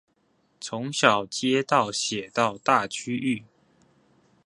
從小街道寫到大區域